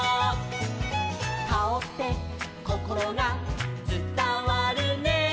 「カオってこころがつたわるね」